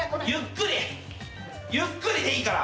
ゆっくりゆっくり。